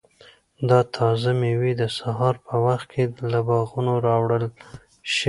دا تازه مېوې د سهار په وخت کې له باغونو راوړل شوي.